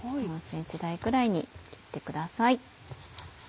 ４ｃｍ大くらいに切ってください。